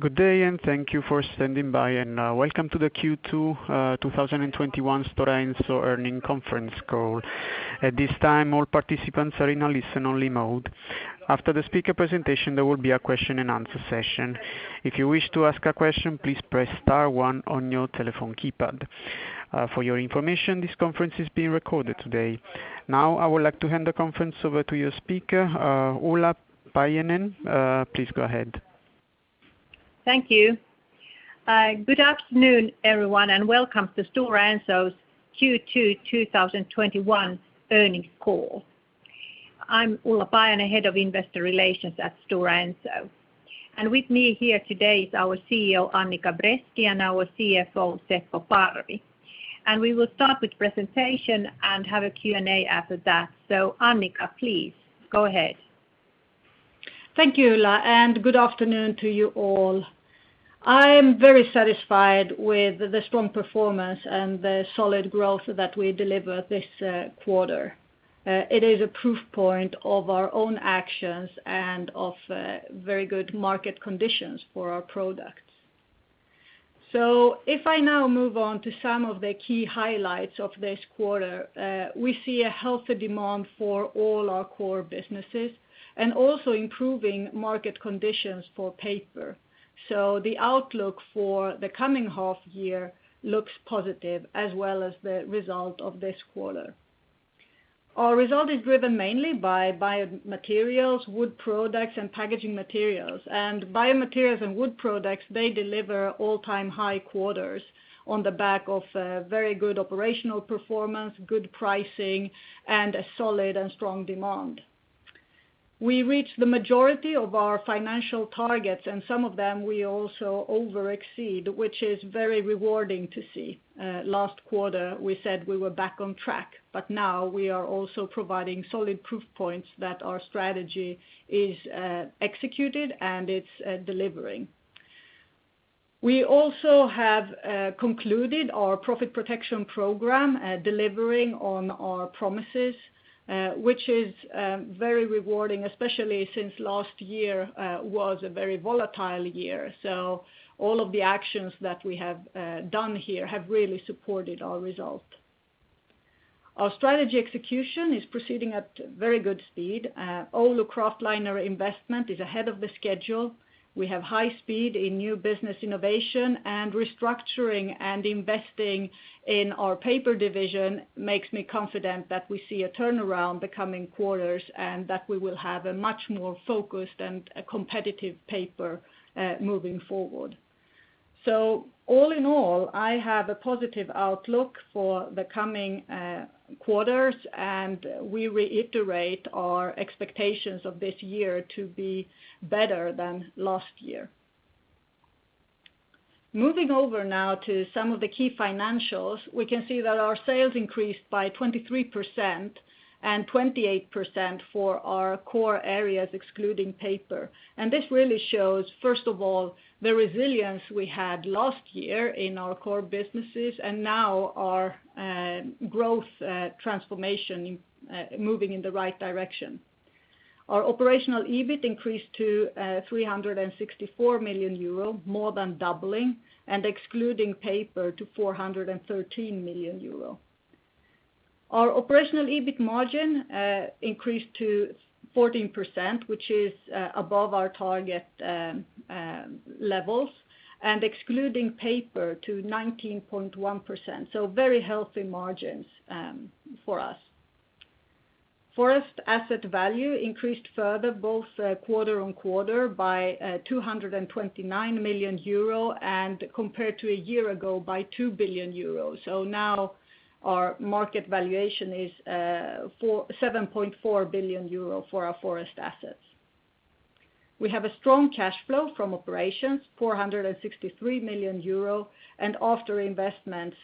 Good day. Thank you for standing by, and welcome to the Q2 2021 Stora Enso Earnings Conference Call. At this time, all participants are in a listen-only mode. After the speaker presentation, there will be a question and answer session. If you wish to ask a question, please press star one on your telephone keypad. For your information, this conference is being recorded today. I would like to hand the conference over to your speaker, Ulla Paajanen. Please go ahead. Thank you. Good afternoon, everyone, and welcome to Stora Enso's Q2 2021 Earnings Call. I'm Ulla Paajanen, Head of Investor Relations at Stora Enso. With me here today is our CEO, Annica Bresky, and our CFO, Seppo Parvi. We will start with presentation and have a Q&A after that. Annica, please, go ahead. Thank you, Ulla. Good afternoon to you all. I am very satisfied with the strong performance and the solid growth that we delivered this quarter. It is a proof point of our own actions and of very good market conditions for our products. If I now move on to some of the key highlights of this quarter, we see a healthy demand for all our core businesses and also improving market conditions for paper. The outlook for the coming half year looks positive, as well as the result of this quarter. Our result is driven mainly by biomaterials, wood products, and packaging materials. Biomaterials and wood products, they deliver all-time high quarters on the back of very good operational performance, good pricing, and a solid and strong demand. We reached the majority of our financial targets, and some of them we also over exceed, which is very rewarding to see. Last quarter, we said we were back on track, but now we are also providing solid proof points that our strategy is executed and it's delivering. We also have concluded our profit protection program, delivering on our promises, which is very rewarding, especially since last year was a very volatile year. All of the actions that we have done here have really supported our result. Our strategy execution is proceeding at very good speed. Oulu kraftliner investment is ahead of the schedule. We have high speed in new business innovation, and restructuring and investing in our paper division makes me confident that we see a turnaround the coming quarters, and that we will have a much more focused and competitive paper moving forward. All in all, I have a positive outlook for the coming quarters, and we reiterate our expectations of this year to be better than last year. Moving over now to some of the key financials, we can see that our sales increased by 23% and 28% for our core areas excluding paper. This really shows, first of all, the resilience we had last year in our core businesses and now our growth transformation moving in the right direction. Our operational EBIT increased to 364 million euro, more than doubling, and excluding paper to 413 million euro. Our operational EBIT margin increased to 14%, which is above our target levels, and excluding paper to 19.1%, so very healthy margins for us. Forest asset value increased further both quarter on quarter by 229 million euro and compared to a year ago by 2 billion euro. Now our market valuation is 7.4 billion euro for our forest assets. We have a strong cash flow from operations, 463 million euro, and after investments,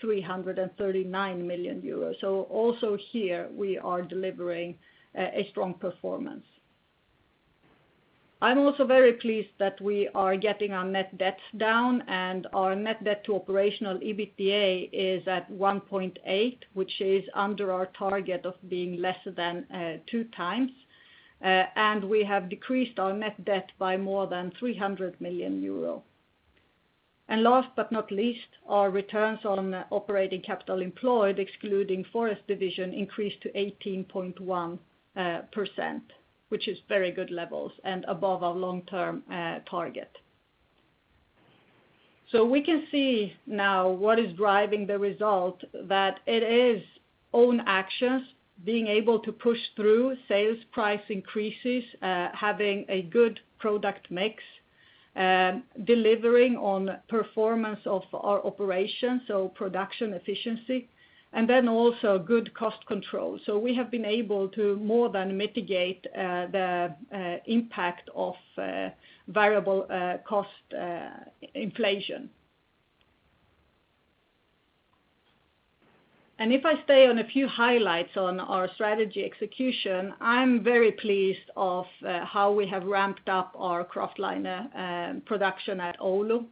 339 million euro. Also here we are delivering a strong performance. I'm also very pleased that we are getting our net debts down and our net debt to operational EBITDA is at 1.8, which is under our target of being less than 2x. We have decreased our net debt by more than 300 million euro. Last but not least, our returns on operating capital employed, excluding forest division, increased to 18.1%, which is very good levels and above our long-term target. We can see now what is driving the result, that it is own actions, being able to push through sales price increases, having a good product mix, delivering on performance of our operations, so production efficiency, and then also good cost control. We have been able to more than mitigate the impact of variable cost inflation. If I stay on a few highlights on our strategy execution, I'm very pleased of how we have ramped up our kraftliner production at Oulu.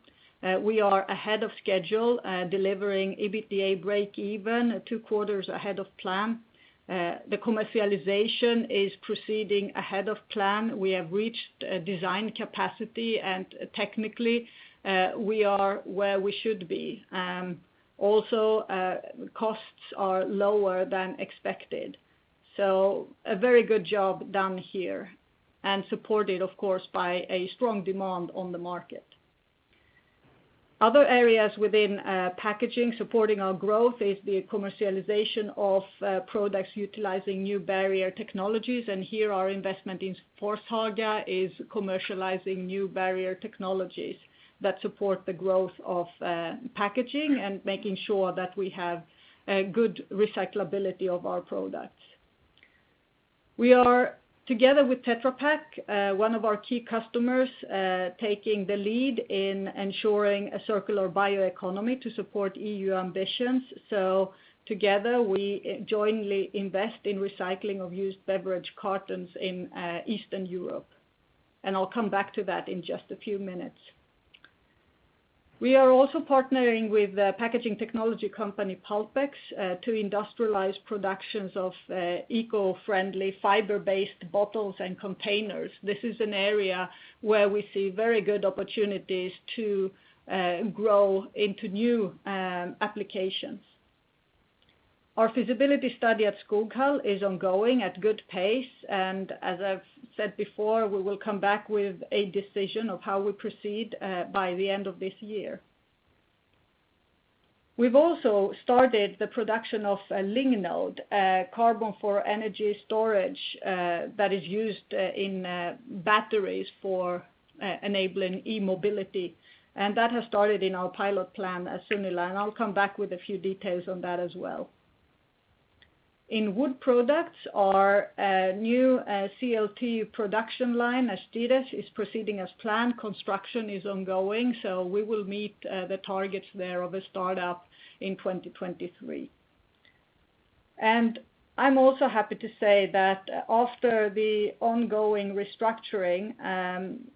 We are ahead of schedule, delivering EBITDA breakeven two quarters ahead of plan. The commercialization is proceeding ahead of plan. We have reached design capacity, and technically, we are where we should be. Also, costs are lower than expected. A very good job done here, and supported, of course, by a strong demand on the market. Other areas within packaging supporting our growth is the commercialization of products utilizing new barrier technologies. Here our investment in Forshaga is commercializing new barrier technologies that support the growth of packaging and making sure that we have good recyclability of our products. We are, together with Tetra Pak, one of our key customers, taking the lead in ensuring a circular bioeconomy to support EU ambitions. Together we jointly invest in recycling of used beverage cartons in Eastern Europe, and I'll come back to that in just a few minutes. We are also partnering with the packaging technology company Pulpex to industrialize productions of eco-friendly fiber-based bottles and containers. This is an area where we see very good opportunities to grow into new applications. Our feasibility study at Skoghall is ongoing at good pace, and as I've said before, we will come back with a decision of how we proceed by the end of this year. That has started in our pilot plan at Sunila, and I'll come back with a few details on that as well. In wood products, our new CLT production line at Ždírec is proceeding as planned. Construction is ongoing, so we will meet the targets there of a startup in 2023. I'm also happy to say that after the ongoing restructuring,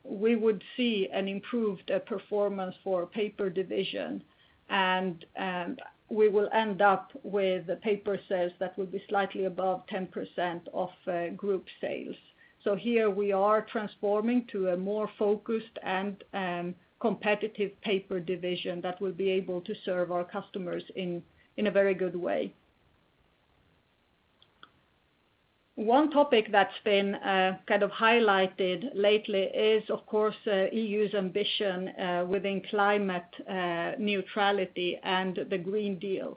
we would see an improved performance for Paper division. We will end up with Paper sales that will be slightly above 10% of Group sales. Here we are transforming to a more focused and competitive Paper division that will be able to serve our customers in a very good way. One topic that's been highlighted lately is, of course, EU's ambition within climate neutrality and the Green Deal.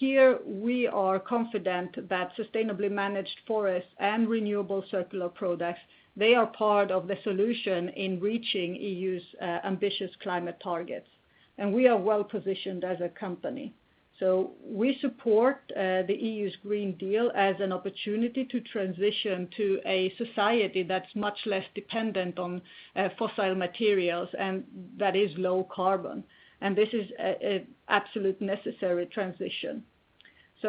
Here, we are confident that sustainably managed forests and renewable circular products, they are part of the solution in reaching EU's ambitious climate targets, and we are well-positioned as a company. We support the EU's Green Deal as an opportunity to transition to a society that's much less dependent on fossil materials and that is low carbon. This is a absolute necessary transition.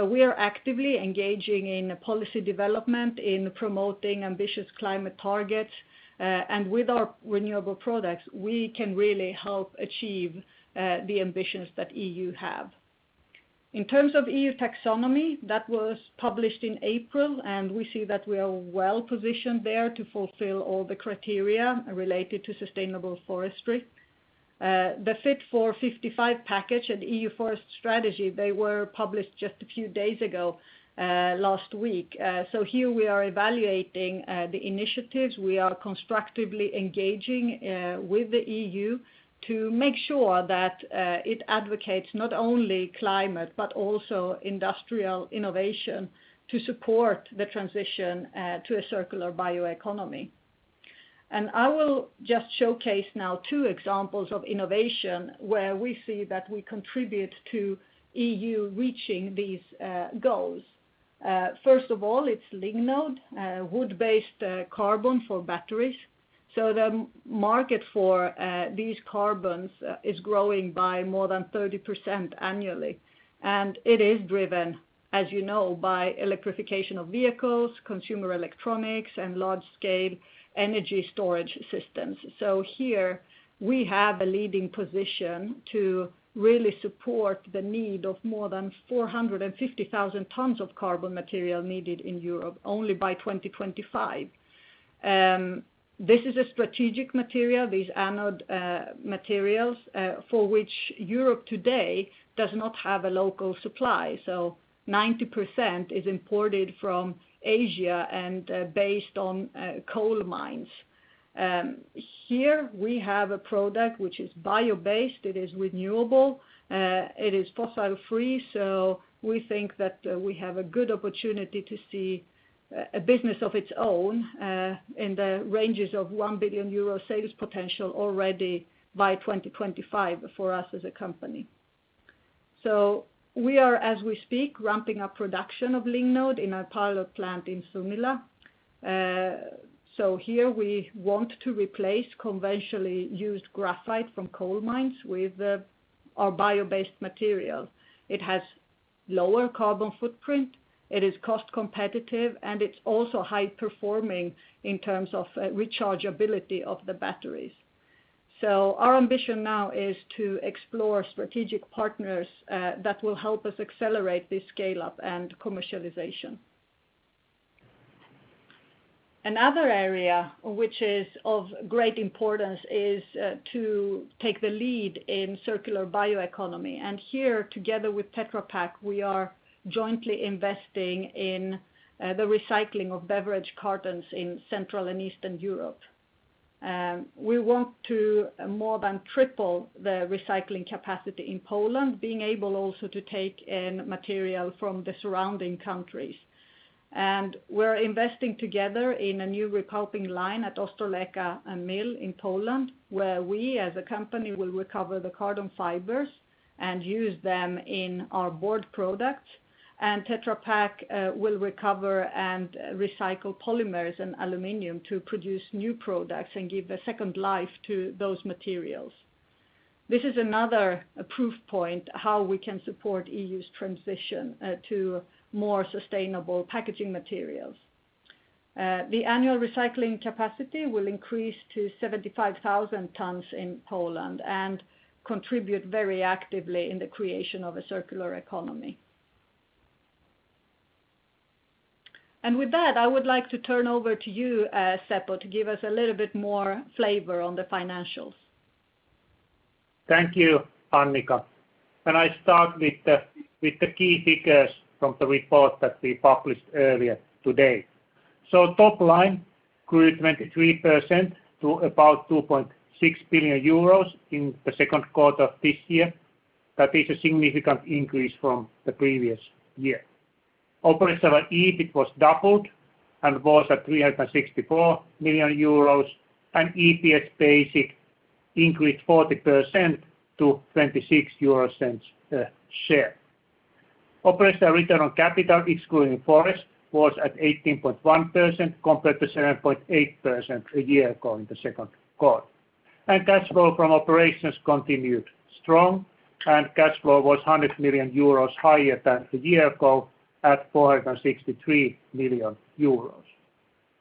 We are actively engaging in policy development, in promoting ambitious climate targets. With our renewable products, we can really help achieve the ambitions that EU have. In terms of EU taxonomy, that was published in April. We see that we are well-positioned there to fulfill all the criteria related to sustainable forestry. The Fit for 55 package and EU Forest Strategy for 2030, they were published just a few days ago, last week. Here we are evaluating the initiatives. We are constructively engaging with the EU to make sure that it advocates not only climate but also industrial innovation to support the transition to a circular bioeconomy. I will just showcase now two examples of innovation where we see that we contribute to EU reaching these goals. First of all, it's Lignode, wood-based carbon for batteries. The market for these carbons is growing by more than 30% annually. It is driven, as you know, by electrification of vehicles, consumer electronics, and large-scale energy storage systems. Here we have a leading position to really support the need of more than 450,000 tons of carbon material needed in Europe only by 2025. This is a strategic material, these anode materials, for which Europe today does not have a local supply. 90% is imported from Asia and based on coal mines. Here we have a product which is bio-based, it is renewable, it is fossil-free. We think that we have a good opportunity to see a business of its own in the ranges of 1 billion euro sales potential already by 2025 for us as a company. We are, as we speak, ramping up production of Lignode in our pilot plant in Sunne. Here we want to replace conventionally used graphite from coal mines with our bio-based material. It has lower carbon footprint, it is cost competitive, and it's also high performing in terms of rechargeability of the batteries. Our ambition now is to explore strategic partners that will help us accelerate this scale-up and commercialization. Another area which is of great importance is to take the lead in circular bioeconomy, and here, together with Tetra Pak, we are jointly investing in the recycling of beverage cartons in Central and Eastern Europe. We want to more than triple the recycling capacity in Poland, being able also to take in material from the surrounding countries. We're investing together in a new repulping line at Ostrołęka mill in Poland, where we, as a company, will recover the carton fibers and use them in our board products. Tetra Pak will recover and recycle polymers and aluminum to produce new products and give a second life to those materials. This is another proof point how we can support EU's transition to more sustainable packaging materials. The annual recycling capacity will increase to 75,000 tons in Poland and contribute very actively in the creation of a circular economy. With that, I would like to turn over to you, Seppo, to give us a little bit more flavor on the financials. Thank you, Annica. I start with the key figures from the report that we published earlier today. Top line grew 23% to about 2.6 billion euros in the second quarter of this year. That is a significant increase from the previous year. Operational EBIT was doubled and was at 364 million euros, and EPS basic increased 40% to 0.26 euros a share. Operational return on capital, excluding forest, was at 18.1% compared to 7.8% a year ago in the second quarter. Cash flow from operations continued strong, and cash flow was 100 million euros higher than a year ago at 463 million euros.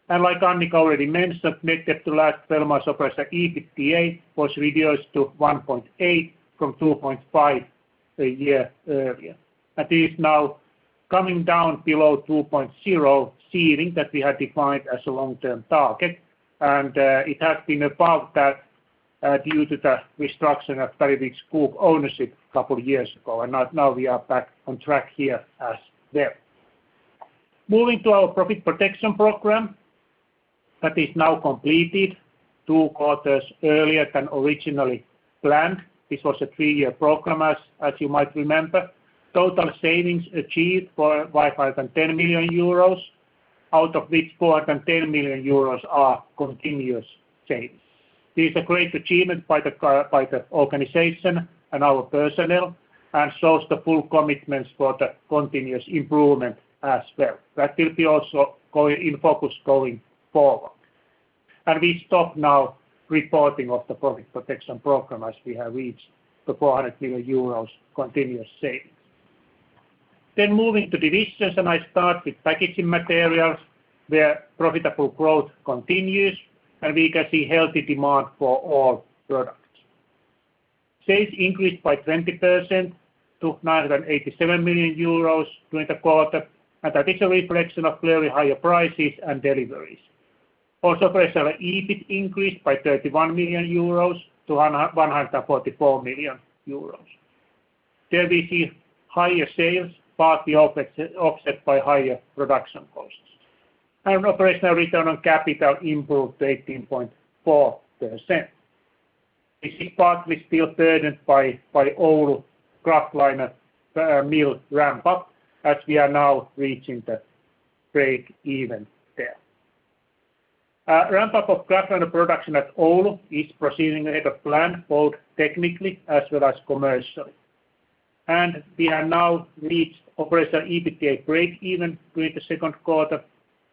Like Annica already mentioned, net debt to last 12 months operational EBITDA was reduced to 1.8 from 2.5 a year earlier. That is now coming down below 2.0 ceiling that we had defined as a long-term target, and it had been above that due to the restructuring of Stora Enso Group ownership a couple of years ago, and now we are back on track here as well. Moving to our Profit Protection Program that is now completed two quarters earlier than originally planned. This was a three-year program, as you might remember. Total savings achieved were 510 million euros, out of which 410 million euros are continuous savings. This is a great achievement by the organization and our personnel and shows the full commitments for the continuous improvement as well. That will be also in focus going forward. We stop now reporting of the Profit Protection Program as we have reached the 400 million euros continuous savings. Moving to divisions, I start with Packaging Materials, where profitable growth continues, and we can see healthy demand for all products. Sales increased by 20% to 987 million euros during the quarter, and that is a reflection of clearly higher prices and deliveries. Our operational EBIT increased by 31 million euros to 144 million euros. There we see higher sales partly offset by higher production costs. Operational return on capital improved to 18.4%. We see partly still burdened by Oulu Kraftliner mill ramp-up as we are now reaching the break even there. Ramp-up of kraftliner production at Oulu is proceeding ahead of plan, both technically as well as commercially. We have now reached operational EBITDA break even during the second quarter,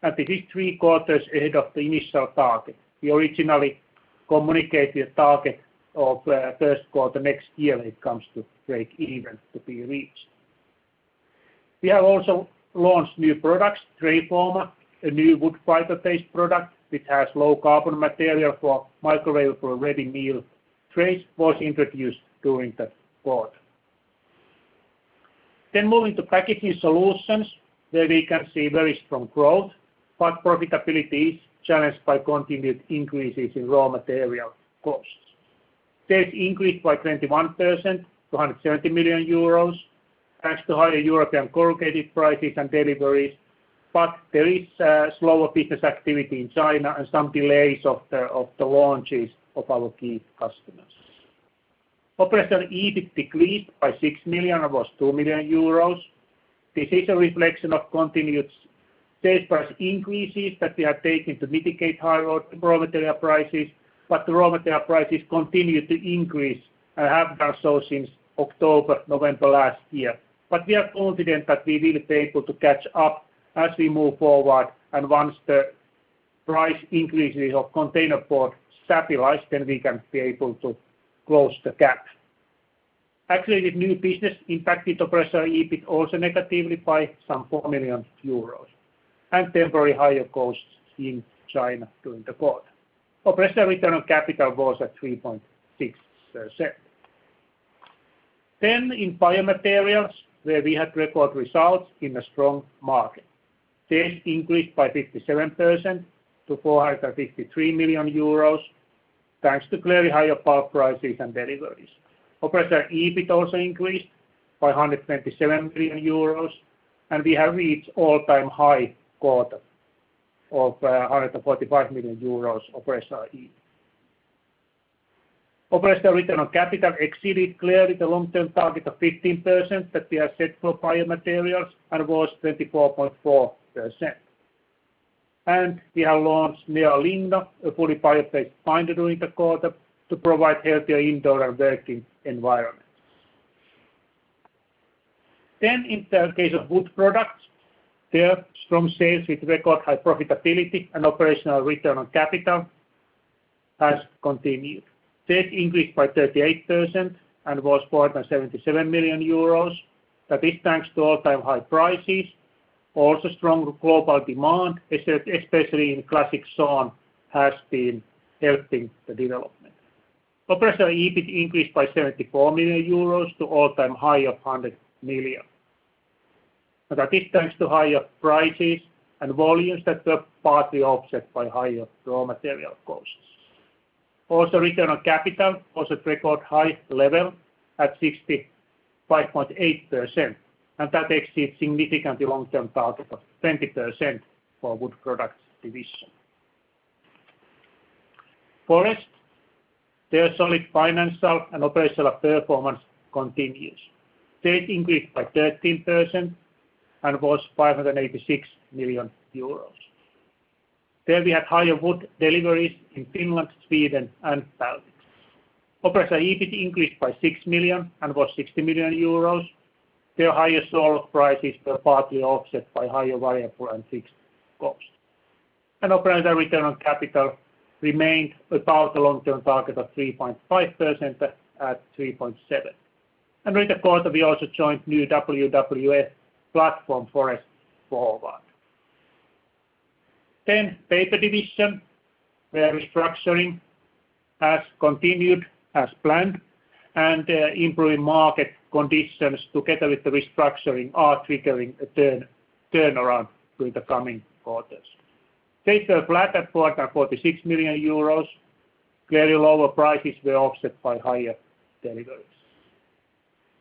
and this is three quarters ahead of the initial target. We originally communicated a target of first quarter next year when it comes to break-even to be reached. We have also launched new products, Trayforma, a new wood fiber-based product which has low-carbon material for microwave-ready meal trays, was introduced during the quarter. Moving to Packaging Solutions, where we can see very strong growth, but profitability is challenged by continued increases in raw material costs. Sales increased by 21% to 170 million euros, thanks to higher European corrugated prices and deliveries, but there is slower business activity in China and some delays of the launches of our key customers. Operational EBIT decreased by 6 million and was 2 million euros. This is a reflection of continued sales price increases that we have taken to mitigate higher raw material prices, but the raw material prices continue to increase and have done so since October, November last year. We are confident that we will be able to catch up as we move forward and once the price increases of containerboard stabilize, then we can be able to close the gap. Actually, the new business impacted operational EBIT also negatively by some 4 million euros, and temporary higher costs in China during the quarter. Operational return on capital was at 3.6%. In Biomaterials, where we had record results in a strong market. Sales increased by 57% to 453 million euros, thanks to clearly higher pulp prices and deliveries. Operational EBIT also increased by 127 million euros, and we have reached all-time high quarter of 145 million euros operational EBIT. Operational return on capital exceeded clearly the long-term target of 15% that we have set for Biomaterials and was 24.4%. We have launched NeoLigno, a fully bio-based binder during the quarter to provide healthier indoor working environments. In the case of Wood Products, their strong sales with record high profitability and operational return on capital has continued. Sales increased by 38% and was 477 million euros. That is thanks to all-time high prices. Strong global demand, especially in classic sawn, has been helping the development. Operational EBIT increased by 74 million euros to all-time high of 100 million. That is thanks to higher prices and volumes that were partly offset by higher raw material costs. Return on capital was at record high level at 65.8%, and that exceeds significantly long-term target of 20% for Wood Products division. Forest, their solid financial and operational performance continues. Sales increased by 13% and was 586 million euros. We had higher wood deliveries in Finland, Sweden, and Baltics. Operational EBIT increased by 6 million and was 60 million euros. Their higher sawlog prices were partly offset by higher variable and fixed costs. Operational return on capital remained above the long-term target of 3.5% at 3.7%. During the quarter, we also joined new WWF platform, Forests Forward. Paper division, where restructuring has continued as planned, and improving market conditions together with the restructuring are triggering a turnaround during the coming quarters. Sales were flat at 446 million euros. Clearly lower prices were offset by higher deliveries.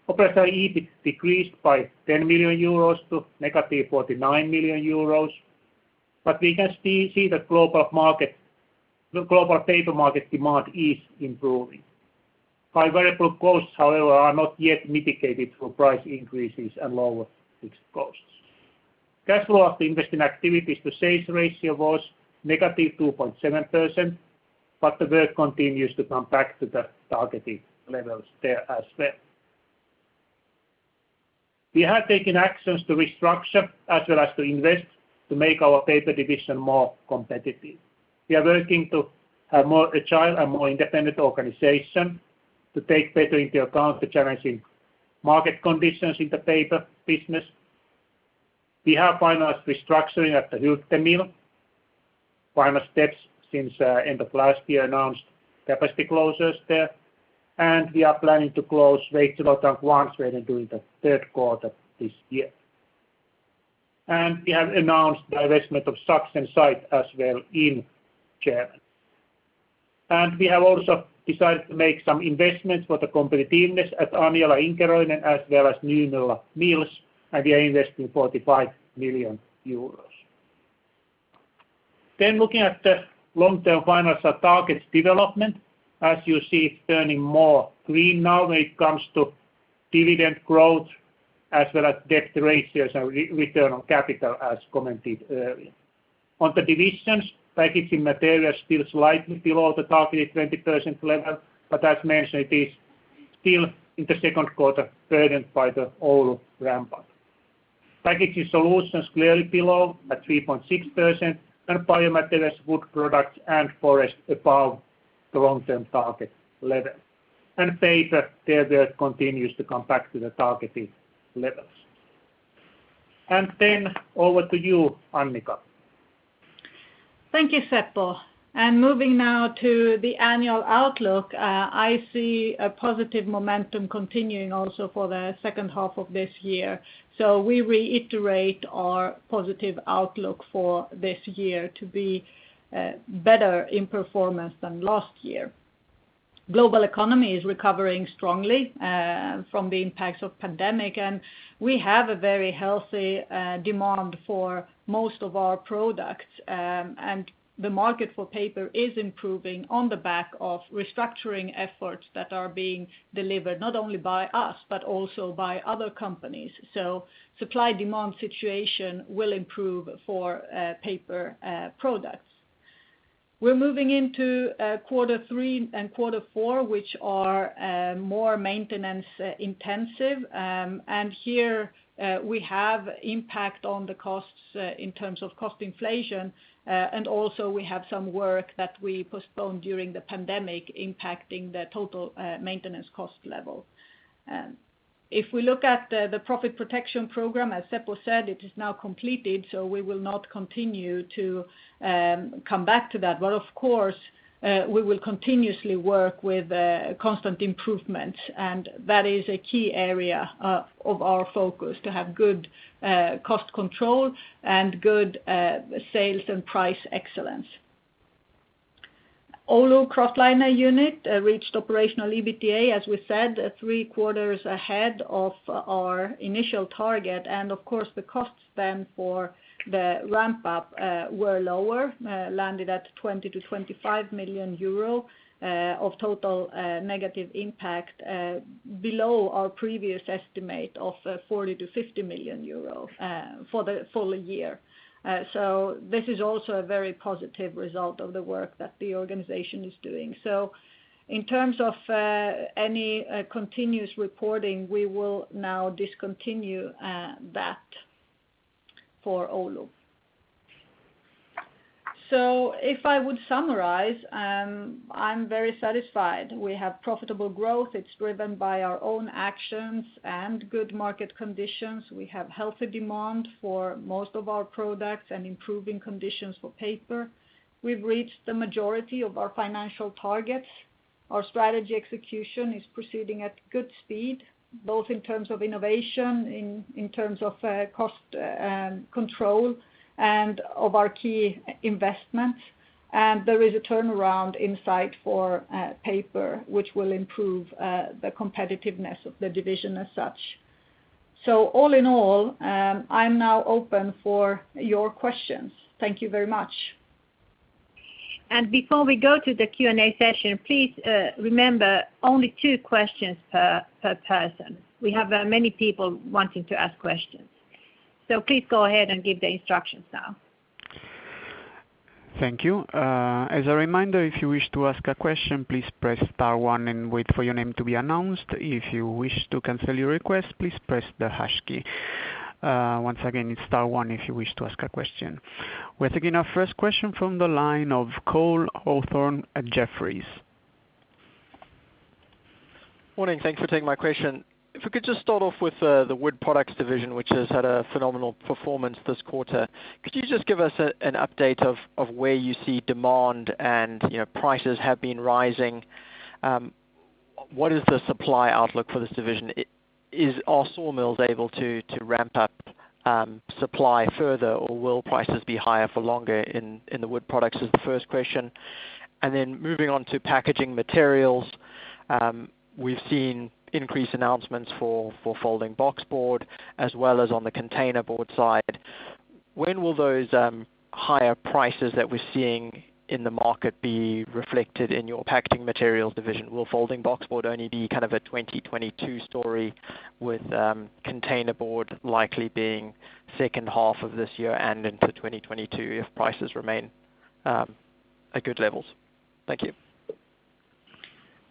Operational EBIT decreased by 10 million euros to negative 49 million euros. We can see the global paper market demand is improving. High variable costs, however, are not yet mitigated through price increases and lower fixed costs. Cash flow of investing activities to sales ratio was -2.7%, but the work continues to come back to the targeted levels there as well. We have taken actions to restructure as well as to invest to make our Paper division more competitive. We are working to have more agile and more independent organization to take better into account the challenging market conditions in the paper business. We have finalized restructuring at the Hylte mill. Final steps since end of last year announced capacity closures there. We are planning to close Veitsiluoto Line 1 during the third quarter this year. We have announced the divestment of Sachsen site as well in Germany. We have also decided to make some investments for the competitiveness at Anjala, Inkeroinen, as well as Nymölla Mills, and we are investing 45 million euros. Looking at the long-term financial targets development, as you see, it's turning more green now when it comes to dividend growth as well as debt ratios and return on capital, as commented earlier. On the divisions, Packaging Materials still slightly below the targeted 20% level, but as mentioned, it is still in the second quarter burdened by the Oulu ramp-up. Packaging Solutions clearly below at 3.6%, and Biomaterials, Wood Products, and Forest above the long-term target level. Paper, there it continues to come back to the targeting levels. Over to you, Annica. Thank you, Seppo. Moving now to the annual outlook, I see a positive momentum continuing also for the second half of this year. We reiterate our positive outlook for this year to be better in performance than last year. Global economy is recovering strongly from the impacts of pandemic, and we have a very healthy demand for most of our products. The market for paper is improving on the back of restructuring efforts that are being delivered, not only by us, but also by other companies. Supply-demand situation will improve for paper products. We're moving into Q3 and Q4, which are more maintenance intensive. Here we have impact on the costs in terms of cost inflation. Also we have some work that we postponed during the pandemic impacting the total maintenance cost level. If we look at the profit protection program, as Seppo said, it is now completed, so we will not continue to come back to that. Of course, we will continuously work with constant improvements, and that is a key area of our focus, to have good cost control and good sales and price excellence. Oulu kraftliner unit reached operational EBITDA, as we said, three quarters ahead of our initial target. Of course, the cost then for the ramp-up were lower, landed at 20 million-25 million euro of total negative impact, below our previous estimate of 40 million-50 million euros for the full year. This is also a very positive result of the work that the organization is doing. In terms of any continuous reporting, we will now discontinue that for Oulu. If I would summarize, I'm very satisfied. We have profitable growth. It's driven by our own actions and good market conditions. We have healthy demand for most of our products and improving conditions for paper. We've reached the majority of our financial targets. Our strategy execution is proceeding at good speed, both in terms of innovation, in terms of cost control, and of our key investments. There is a turnaround in sight for paper, which will improve the competitiveness of the division as such. All in all, I'm now open for your questions. Thank you very much. Before we go to the Q&A session, please remember only two questions per person. We have many people wanting to ask questions. Please go ahead and give the instructions now. Thank you. As a reminder, if you wish to ask a question, please press star one and wait for your name to be announced. If you wish to cancel your request, please press the hash key. Once again, it is star one if you wish to ask a question. We are taking our first question from the line of Cole Hathorn at Jefferies. Morning. Thanks for taking my question. If we could just start off with the Wood Products division, which has had a phenomenal performance this quarter. Could you just give us an update of where you see demand and prices have been rising? What is the supply outlook for this division? Are sawmills able to ramp up supply further or will prices be higher for longer in the Wood Products? Is the first question. Moving on to Packaging Materials. We've seen increased announcements for folding boxboard as well as on the containerboard side. When will those higher prices that we're seeing in the market be reflected in your Packaging Materials division? Will folding boxboard only be a 2022 story with containerboard likely being second half of this year and into 2022 if prices remain at good levels? Thank you.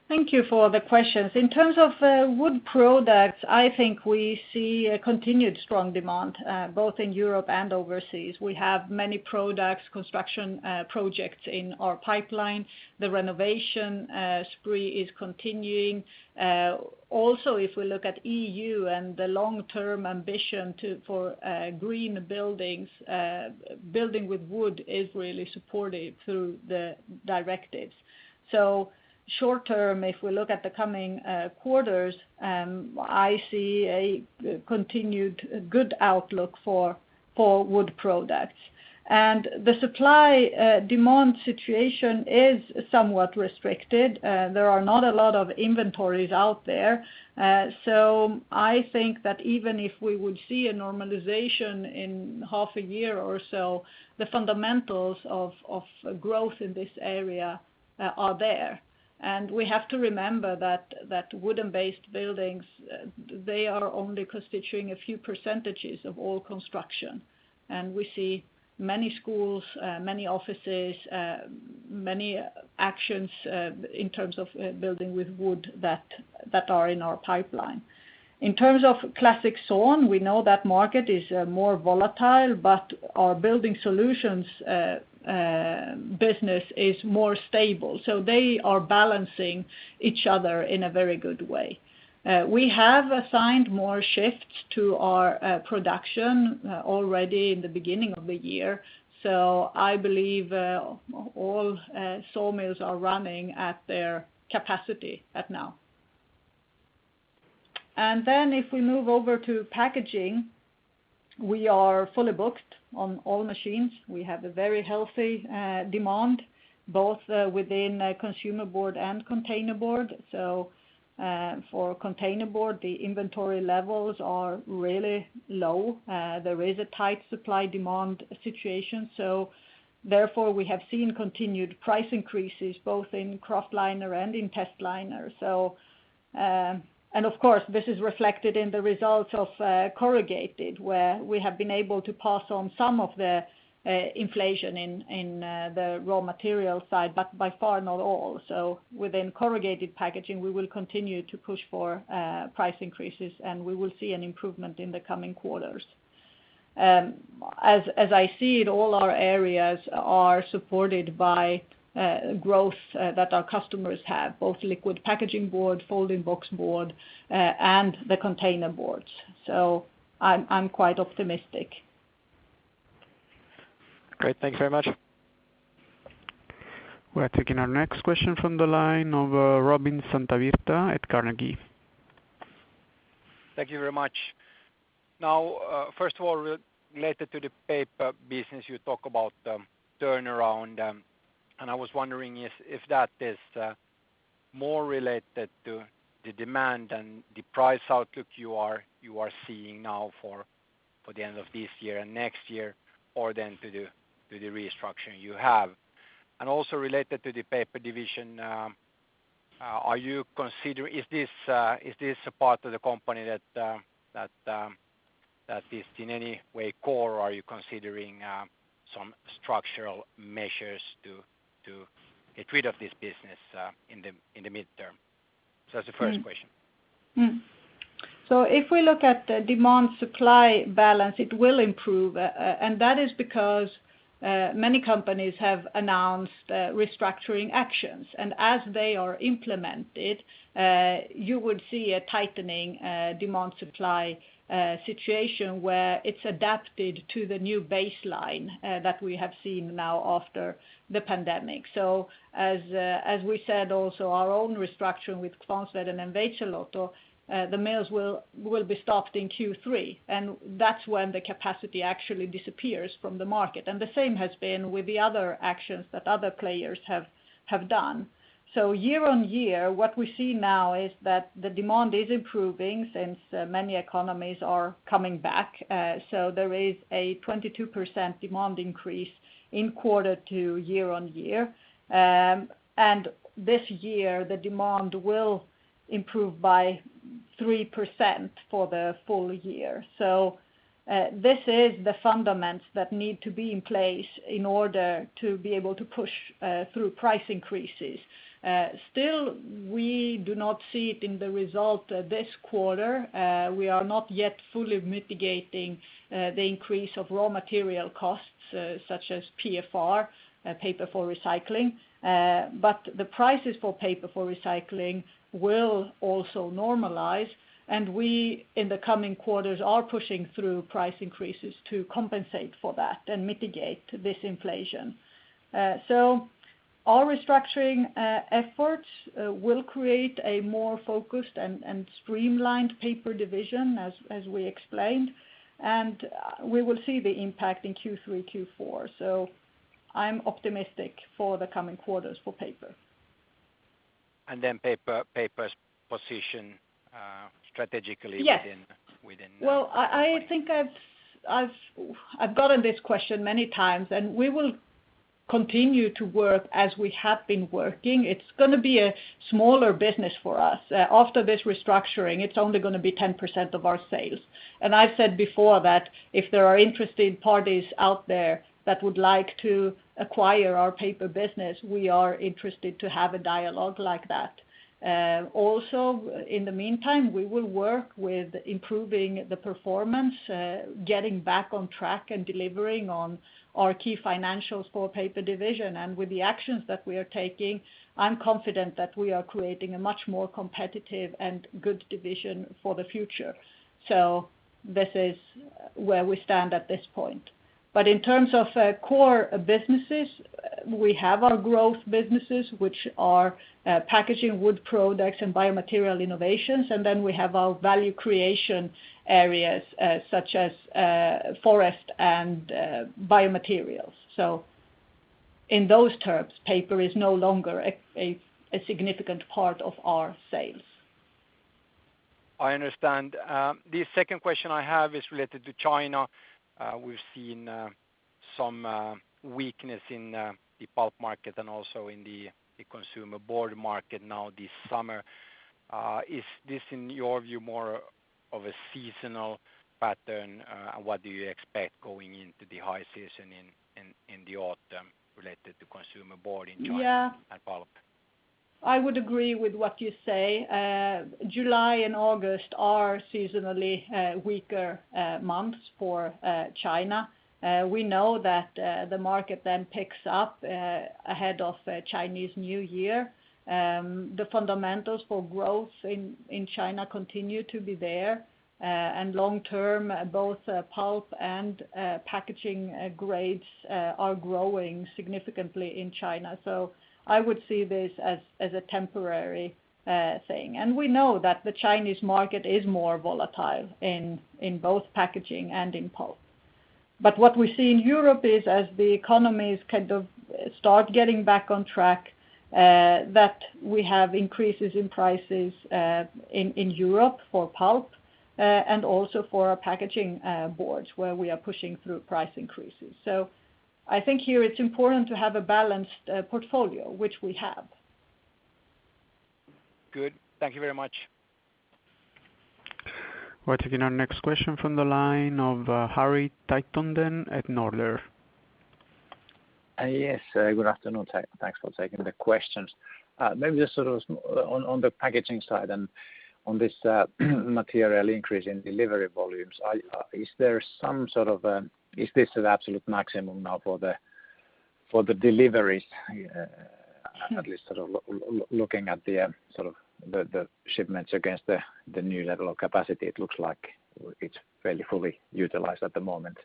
Thank you for the questions. In terms of Wood Products, I think we see a continued strong demand both in Europe and overseas. We have many products, construction projects in our pipeline. The renovation spree is continuing. If we look at EU and the long-term ambition for green buildings, building with wood is really supported through the directives. Short-term, if we look at the coming quarters, I see a continued good outlook for Wood Products. The supply/demand situation is somewhat restricted. There are not a lot of inventories out there. I think that even if we would see a normalization in half a year or so, the fundamentals of growth in this area are there. We have to remember that wooden-based buildings, they are only constituting a few percentages of all construction. We see many schools, many offices, many actions in terms of building with wood that are in our pipeline. In terms of classic sawn, we know that market is more volatile, but our building solutions business is more stable. They are balancing each other in a very good way. We have assigned more shifts to our production already in the beginning of the year, so I believe all sawmills are running at their capacity at now. If we move over to Packaging, we are fully booked on all machines. We have a very healthy demand both within consumer board and containerboard. For containerboard, the inventory levels are really low. There is a tight supply/demand situation. Therefore, we have seen continued price increases both in kraftliner and in testliner. Of course, this is reflected in the results of corrugated, where we have been able to pass on some of the inflation in the raw material side, but by far not all. Within corrugated packaging, we will continue to push for price increases, and we will see an improvement in the coming quarters. As I see it, all our areas are supported by growth that our customers have, both liquid packaging board, folding boxboard, and the containerboard. I'm quite optimistic. Great. Thank you very much. We're taking our next question from the line of Robin Santavirta at Carnegie. Thank you very much. First of all, related to the paper business, you talk about the turnaround, and I was wondering if that is more related to the demand and the price outlook you are seeing now for the end of this year and next year, or then to the restructure you have. Also related to the paper division, is this a part of the company that is in any way core, or are you considering some structural measures to get rid of this business in the midterm? That's the first question. If we look at the demand-supply balance, it will improve, and that is because many companies have announced restructuring actions. As they are implemented, you would see a tightening demand-supply situation, where it's adapted to the new baseline that we have seen now after the pandemic. As we said, also, our own restructuring with Kvarnsveden and Veitsiluoto, the mills will be stopped in Q3, and that's when the capacity actually disappears from the market. The same has been with the other actions that other players have done. Year-over-year, what we see now is that the demand is improving since many economies are coming back. There is a 22% demand increase in quarter-over-year. This year, the demand will improve by 3% for the full year. This is the fundamentals that need to be in place in order to be able to push through price increases. Still, we do not see it in the result this quarter. We are not yet fully mitigating the increase of raw material costs, such as PfR, paper for recycling. The prices for paper for recycling will also normalize, and we, in the coming quarters, are pushing through price increases to compensate for that and mitigate this inflation. Our restructuring efforts will create a more focused and streamlined paper division, as we explained, and we will see the impact in Q3, Q4. I'm optimistic for the coming quarters for paper. Paper's position strategically. Yes within the company. Well, I think I've gotten this question many times, and we will continue to work as we have been working. It's going to be a smaller business for us. After this restructuring, it's only going to be 10% of our sales. I've said before that if there are interested parties out there that would like to acquire our paper business, we are interested to have a dialogue like that. Also, in the meantime, we will work with improving the performance, getting back on track, and delivering on our key financials for paper division. With the actions that we are taking, I'm confident that we are creating a much more competitive and good division for the future. This is where we stand at this point. In terms of core businesses, we have our growth businesses, which are Packaging, Wood Products, and Biomaterial Innovations. Then we have our value creation areas, such as forest and biomaterials. In those terms, paper is no longer a significant part of our sales. I understand. The second question I have is related to China. We've seen some weakness in the pulp market and also in the consumer board market now this summer. Is this, in your view, more of a seasonal pattern? What do you expect going into the high season in the autumn related to consumer board in China and pulp? I would agree with what you say. July and August are seasonally weaker months for China. We know that the market picks up ahead of Chinese New Year. The fundamentals for growth in China continue to be there, long term, both pulp and packaging grades are growing significantly in China. I would see this as a temporary thing. We know that the Chinese market is more volatile in both packaging and in pulp. What we see in Europe is as the economies kind of start getting back on track, that we have increases in prices in Europe for pulp and also for our packaging boards, where we are pushing through price increases. I think here it's important to have a balanced portfolio, which we have. Good. Thank you very much. We're taking our next question from the line of Harri Taittonen at Nordea. Yes. Good afternoon. Thanks for taking the questions. Maybe just on the packaging side and on this material increase in delivery volumes, is this the absolute maximum now for the deliveries? At least looking at the shipments against the new level of capacity, it looks like it's fairly fully utilized at the moment.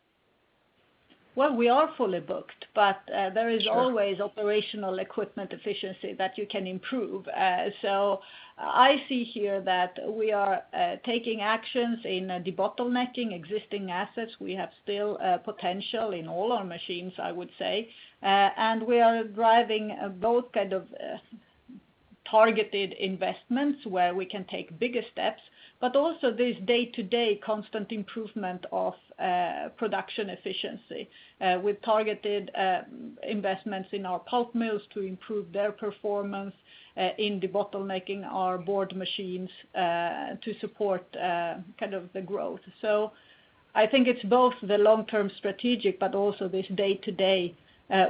Well, we are fully booked, but there is always. Sure operational equipment efficiency that you can improve. I see here that we are taking actions in debottlenecking existing assets. We have still potential in all our machines, I would say. We are driving both kind of targeted investments where we can take bigger steps, but also this day-to-day constant improvement of production efficiency. We've targeted investments in our pulp mills to improve their performance, in debottlenecking our board machines to support the growth. I think it's both the long-term strategic, but also this day-to-day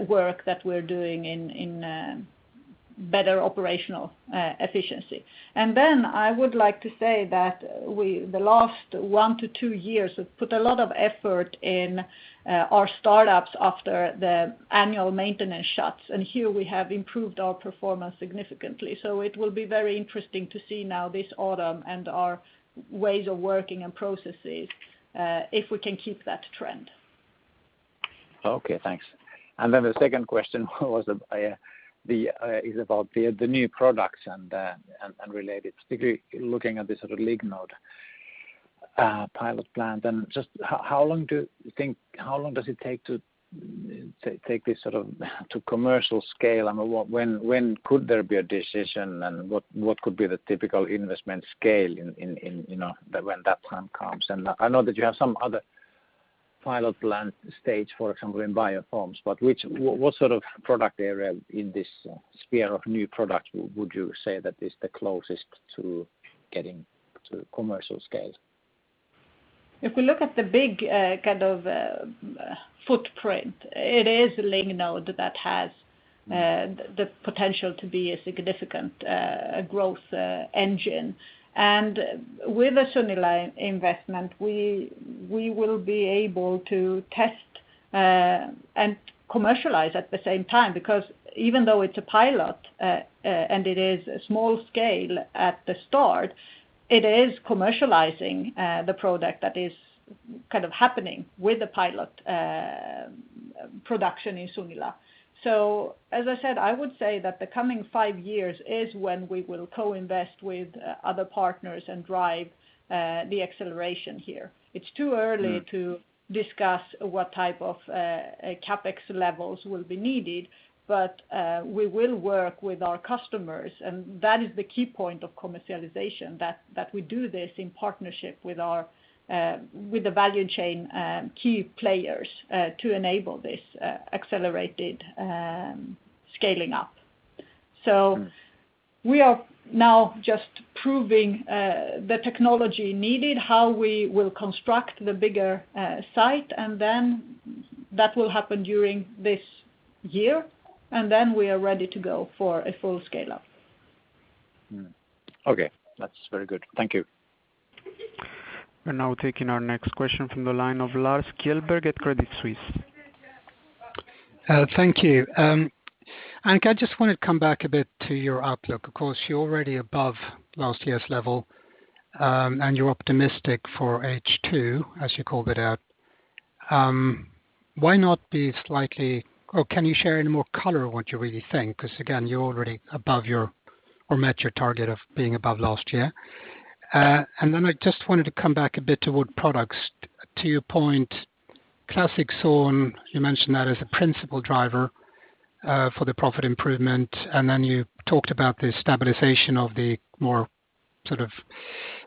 work that we're doing in better operational efficiency. I would like to say that the last one to two years, we've put a lot of effort in our startups after the annual maintenance shuts. Here we have improved our performance significantly. It will be very interesting to see now this autumn and our ways of working and processes, if we can keep that trend. Okay, thanks. The second question was is about the new products and related, particularly looking at the sort of lignin pilot plant. Just how long does it take to commercial scale? When could there be a decision and what could be the typical investment scale when that time comes? I know that you have some other pilot plant stage, for example, in biofoams. What sort of product area in this sphere of new product would you say that is the closest to getting to commercial scale? If we look at the big kind of footprint, it is lignin that has the potential to be a significant growth engine. With the Sunila investment, we will be able to test and commercialize at the same time, because even though it's a pilot, and it is small scale at the start, it is commercializing the product that is kind of happening with the pilot production in Sunila. As I said, I would say that the coming five years is when we will co-invest with other partners and drive the acceleration here. It's too early to discuss what type of CapEx levels will be needed, but we will work with our customers, and that is the key point of commercialization, that we do this in partnership with the value chain key players to enable this accelerated scaling up. We are now just proving the technology needed, how we will construct the bigger site, and then that will happen during this year, and then we are ready to go for a full scale-up. Okay. That's very good. Thank you. We're now taking our next question from the line of Lars Kjellberg at Credit Suisse. Thank you. Annica, I just want to come back a bit to your outlook. Of course, you're already above last year's level, and you're optimistic for H2, as you called it out. Can you share any more color on what you really think? Because, again, you're already above or met your target of being above last year. I just wanted to come back a bit to wood products. To your point, classic sawn, you mentioned that as a principal driver for the profit improvement, you talked about the stabilization of the more sort of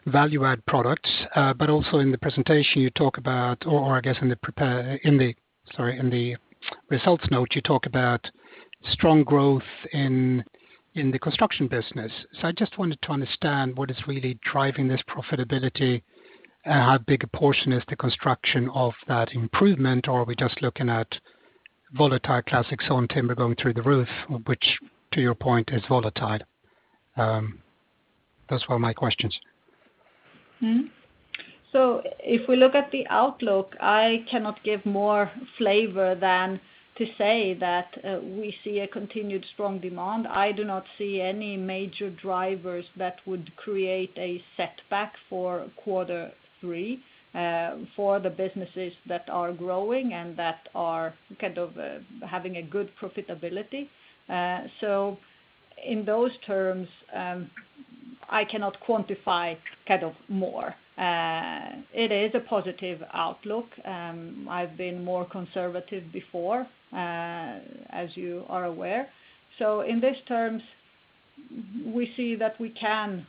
value-add products. Also in the presentation you talk about, or I guess in the results note, you talk about strong growth in the construction business. I just wanted to understand what is really driving this profitability, how big a portion is the construction of that improvement, or are we just looking at volatile classic sawn timber going through the roof, which, to your point, is volatile? Those were my questions. If we look at the outlook, I cannot give more flavor than to say that we see a continued strong demand. I do not see any major drivers that would create a setback for quarter three for the businesses that are growing and that are kind of having a good profitability. In those terms, I cannot quantify more. It is a positive outlook. I've been more conservative before, as you are aware. In this terms, we see that we can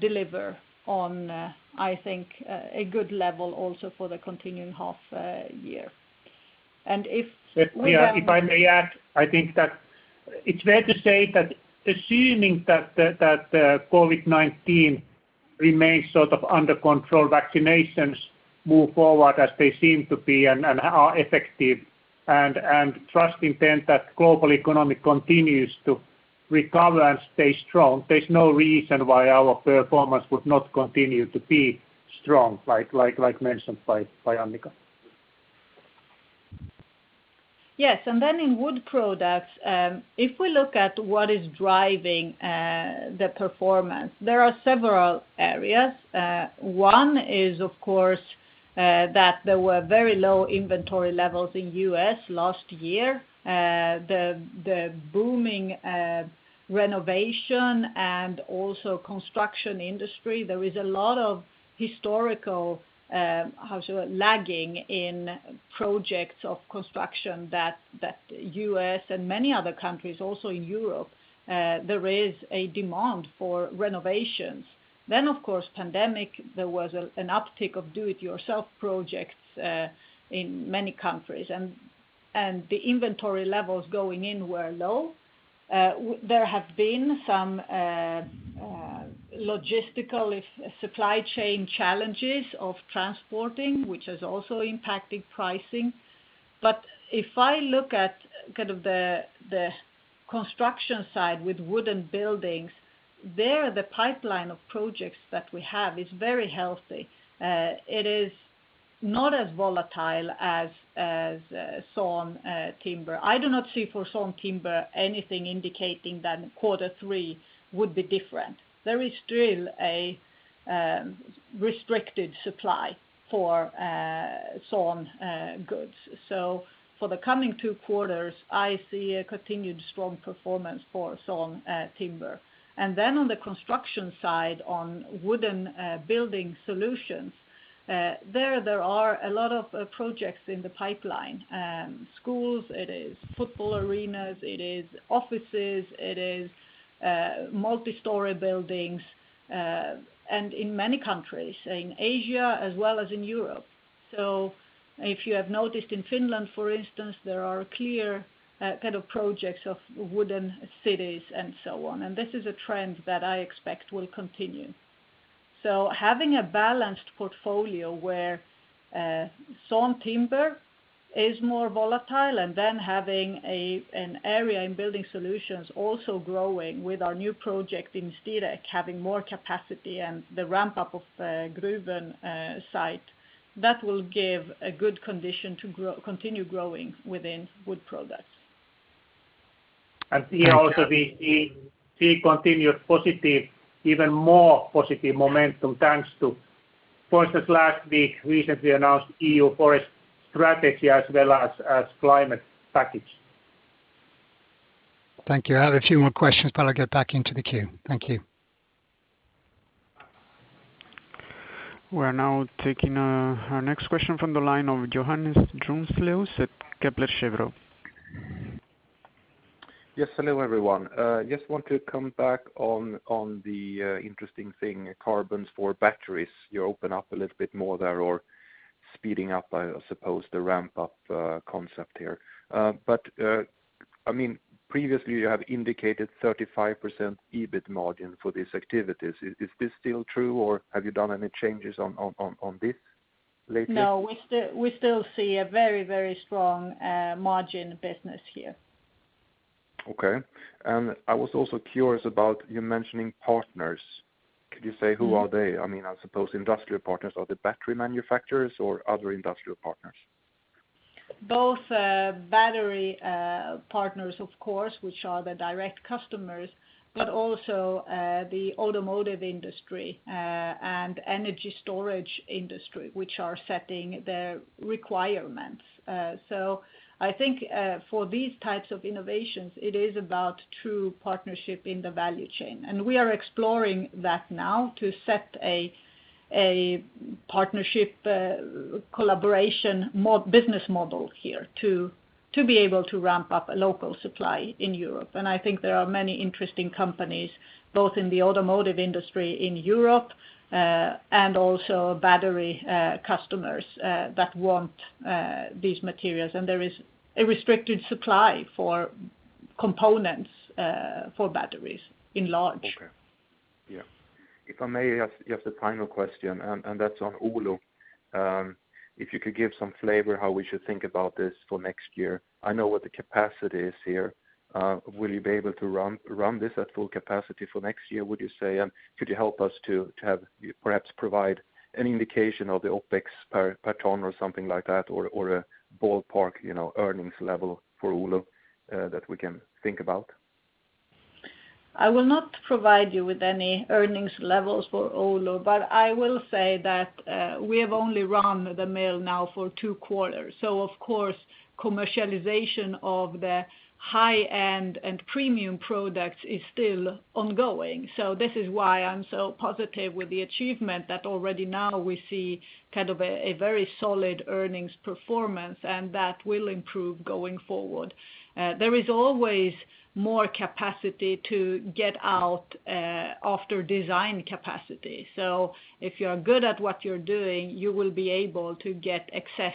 deliver on, I think, a good level also for the continuing half year. If I may add, I think that. It's fair to say that assuming that COVID-19 remains sort of under control, vaccinations move forward as they seem to be and are effective, and trusting then that global economy continues to recover and stay strong, there's no reason why our performance would not continue to be strong, like mentioned by Annica. Yes. Then in wood products, if we look at what is driving the performance, there are several areas. One is, of course, that there were very low inventory levels in U.S. last year. The booming renovation and also construction industry, there is a lot of historical, how should I, lagging in projects of construction that U.S. and many other countries, also in Europe, there is a demand for renovations. Of course, pandemic, there was an uptick of do-it-yourself projects in many countries, and the inventory levels going in were low. There have been some logistical supply chain challenges of transporting, which has also impacted pricing. If I look at the construction side with wooden buildings, there, the pipeline of projects that we have is very healthy. It is not as volatile as sawn timber. I do not see for sawn timber anything indicating that quarter three would be different. There is still a restricted supply for sawn goods. For the coming two quarters, I see a continued strong performance for sawn timber. On the construction side, on wooden building solutions, there are a lot of projects in the pipeline. Schools, it is football arenas, it is offices, it is multi-story buildings, and in many countries, in Asia as well as in Europe. If you have noticed in Finland, for instance, there are clear projects of wooden cities and so on. This is a trend that I expect will continue. Having a balanced portfolio where sawn timber is more volatile and then having an area in building solutions also growing with our new project in Ždírec having more capacity and the ramp-up of Gruvön site, that will give a good condition to continue growing within wood products. Here also we see continued positive, even more positive momentum, thanks to, for instance, last week recently announced EU Forest Strategy as well as climate package. Thank you. I have a few more questions, but I'll get back into the queue. Thank you. We're now taking our next question from the line of Johannes Grunselius at Kepler Cheuvreux. Yes. Hello, everyone. I want to come back on the interesting thing, carbons for batteries. You open up a little bit more there or speeding up, I suppose, the ramp-up concept here. Previously you have indicated 35% EBIT margin for these activities. Is this still true, or have you done any changes on this lately? No, we still see a very strong margin business here. Okay. I was also curious about you mentioning partners. Could you say who are they? I suppose industrial partners. Are they battery manufacturers or other industrial partners? Both battery partners, of course, which are the direct customers, but also the automotive industry, and energy storage industry, which are setting the requirements. I think for these types of innovations, it is about true partnership in the value chain, and we are exploring that now to set a partnership collaboration business model here to be able to ramp up a local supply in Europe. I think there are many interesting companies, both in the automotive industry in Europe, and also battery customers, that want these materials. There is a restricted supply for components for batteries in large. Okay. Yeah. If I may ask just a final question, and that's on Oulu. If you could give some flavor how we should think about this for next year. I know what the capacity is here. Will you be able to run this at full capacity for next year, would you say? Could you help us to have perhaps provide an indication of the OpEx per ton or something like that or a ballpark earnings level for Oulu, that we can think about? I will not provide you with any earnings levels for Oulu. I will say that we have only run the mill now for two quarters. Of course, commercialization of the high-end and premium products is still ongoing. This is why I'm so positive with the achievement that already now we see a very solid earnings performance, and that will improve going forward. There is always more capacity to get out after design capacity. If you're good at what you're doing, you will be able to get excess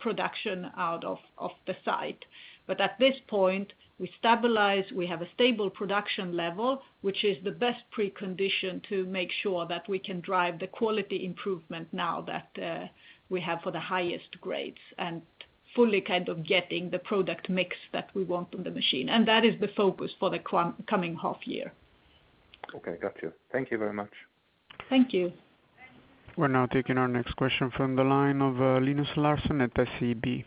production out of the site. At this point, we stabilize, we have a stable production level, which is the best precondition to make sure that we can drive the quality improvement now that we have for the highest grades, and fully getting the product mix that we want on the machine. That is the focus for the coming half year. Okay, got you. Thank you very much. Thank you. We are now taking our next question from the line of Linus Larsson at SEB.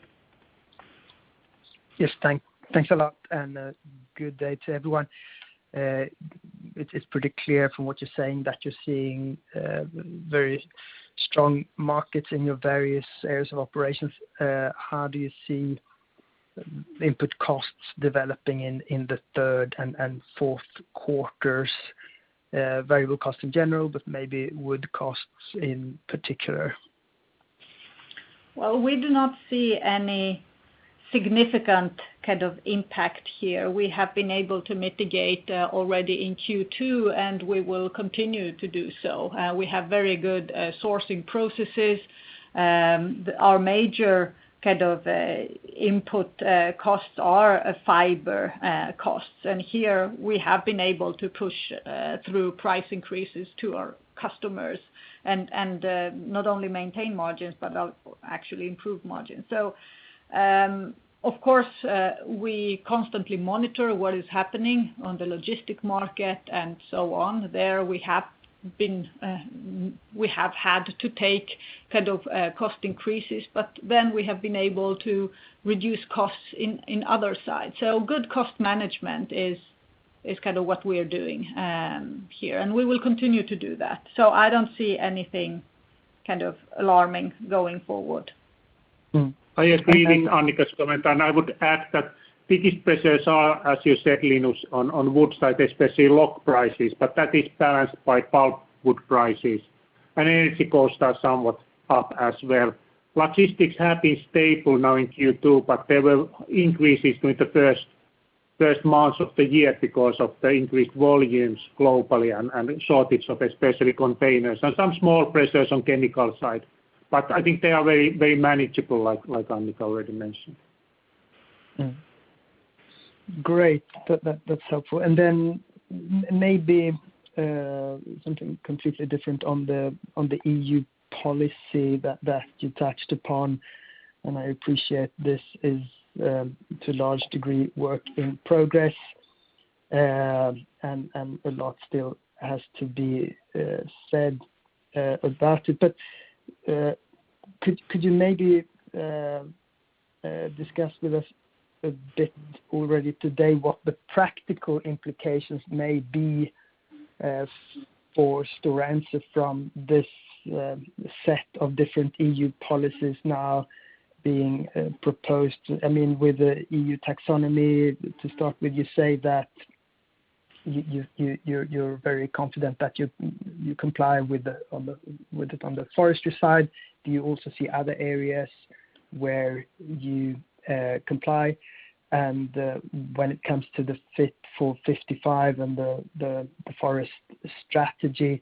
Yes, thanks a lot, and good day to everyone. It's pretty clear from what you're saying that you're seeing very strong markets in your various areas of operations. How do you see input costs developing in the third and fourth quarters, variable costs in general, but maybe wood costs in particular? We do not see any significant kind of impact here. We have been able to mitigate already in Q2, and we will continue to do so. We have very good sourcing processes. Our major input costs are fiber costs, and here we have been able to push through price increases to our customers and not only maintain margins, but actually improve margins. Of course, we constantly monitor what is happening on the logistic market and so on. There, we have had to take cost increases, but then we have been able to reduce costs in other sides. Good cost management is what we are doing here, and we will continue to do that. I don't see anything alarming going forward. I agree with Annica's comment, I would add that the biggest pressures are, as you said, Linus, on wood side, especially log prices, but that is balanced by pulpwood prices. Energy costs are somewhat up as well. Logistics have been stable now in Q2, There were increases during the first months of the year because of the increased volumes globally and shortage of especially containers and some small pressures on chemical side, I think they are very manageable, like Annica already mentioned. Great. That's helpful. Maybe something completely different on the EU policy that you touched upon, and I appreciate this is to large degree work in progress, and a lot still has to be said about it. Could you maybe discuss with us a bit already today what the practical implications may be for Stora Enso from this set of different EU policies now being proposed? With the EU taxonomy to start with, you say that you're very confident that you comply with it on the forestry side. Do you also see other areas where you comply? When it comes to the Fit for 55 and the Forest Strategy,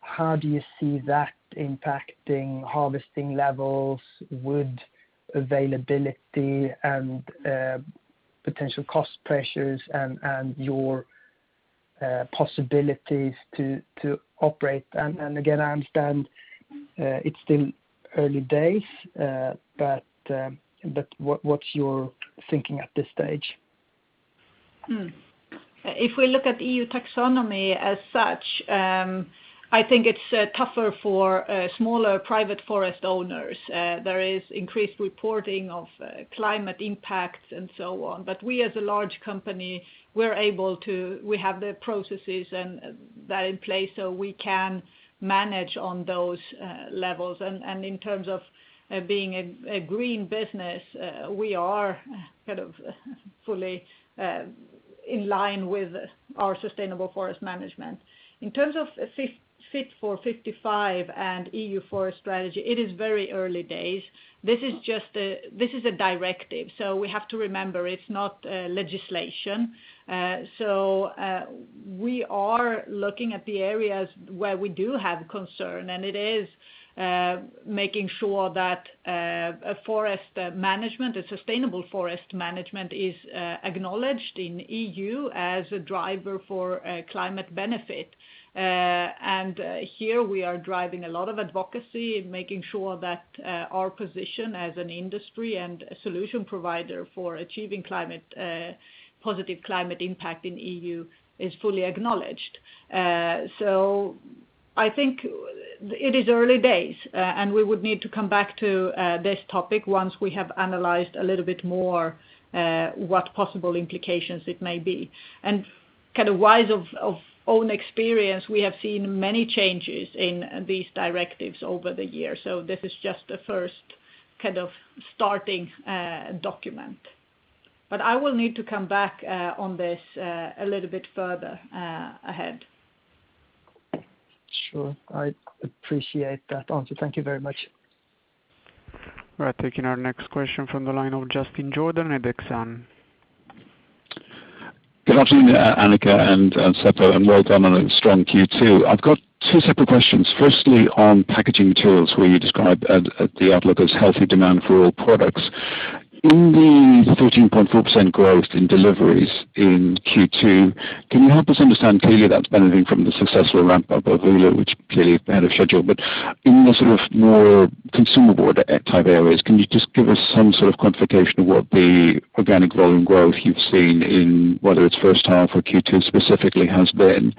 how do you see that impacting harvesting levels, wood availability, and potential cost pressures and your possibilities to operate? Again, I understand it's still early days, but what's your thinking at this stage? If we look at EU taxonomy as such, I think it's tougher for smaller private forest owners. There is increased reporting of climate impacts and so on. We as a large company, we have the processes that are in place so we can manage on those levels. In terms of being a green business, we are kind of fully in line with our sustainable forest management. In terms of Fit for 55 and EU Forest Strategy, it is very early days. This is a directive, so we have to remember it's not legislation. We are looking at the areas where we do have concern, and it is making sure that a sustainable forest management is acknowledged in EU as a driver for climate benefit. Here we are driving a lot of advocacy in making sure that our position as an industry and a solution provider for achieving positive climate impact in EU is fully acknowledged. I think it is early days, and we would need to come back to this topic once we have analyzed a little bit more what possible implications it may be. Wise of own experience, we have seen many changes in these directives over the years. This is just a first starting document. I will need to come back on this a little bit further ahead. Sure. I appreciate that answer. Thank you very much. We're taking our next question from the line of Justin Jordan at Exane. Good afternoon, Annica and Seppo, and well done on a strong Q2. I've got two separate questions. Firstly, on Packaging Materials, where you describe the outlook as healthy demand for all products. In the 13.4% growth in deliveries in Q2. Can you help us understand, clearly that's benefiting from the successful ramp-up of Oulu, which clearly ahead of schedule, but in the sort of more consumable type areas, can you just give us some sort of quantification of what the organic volume growth you've seen in, whether it's first half or Q2 specifically has been?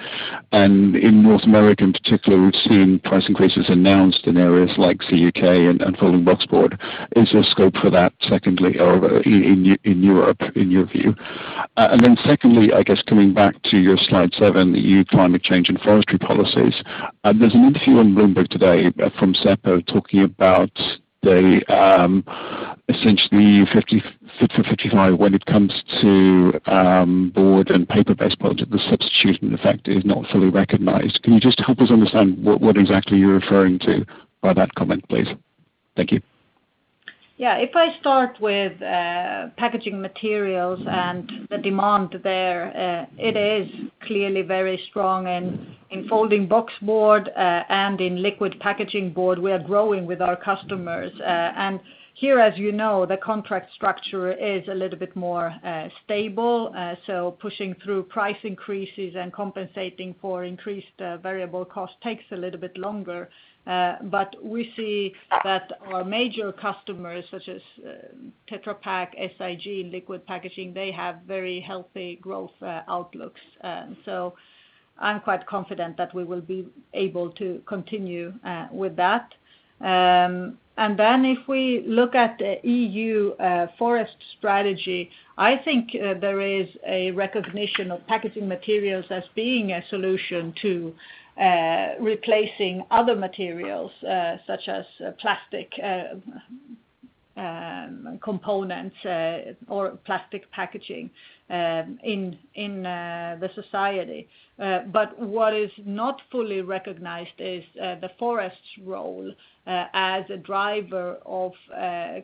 In North America in particular, we've seen price increases announced in areas like the U.K. and folding boxboard. Is there scope for that, secondly, in Europe, in your view? Secondly, I guess coming back to your Slide 7, EU climate change and forestry policies. There's an interview on Bloomberg today from Seppo talking about the essentially Fit for 55 when it comes to board and paper-based product, the substitution effect is not fully recognized. Can you just help us understand what exactly you're referring to by that comment, please? Thank you. If I start with Packaging Materials and the demand there, it is clearly very strong and in folding boxboard, and in liquid packaging board, we are growing with our customers. Here, as you know, the contract structure is a little bit more stable. Pushing through price increases and compensating for increased variable cost takes a little bit longer. We see that our major customers, such as Tetra Pak, SIG, Liquid Packaging, they have very healthy growth outlooks. I'm quite confident that we will be able to continue with that. If we look at the EU Forest Strategy, I think there is a recognition of Packaging Materials as being a solution to replacing other materials, such as plastic components or plastic packaging in the society. What is not fully recognized is the forest's role as a driver of